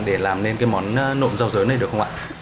để làm nên cái món nộm rau dớn này được không ạ